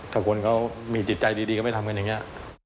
ถ้าคนเขามีจิตใจดีก็ไม่ทำกันอย่างนี้